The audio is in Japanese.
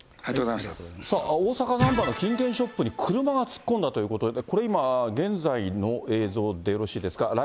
さあ、大阪・なんばの金券ショップに車が突っ込んだということで、これ、今、現在の映像でよろしいですか。